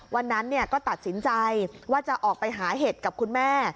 วันนั้นก็ตัดสินใจว่าจะออกไปหาเห็ดกับคุณแม่